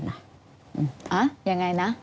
อ่ะยังไงนะ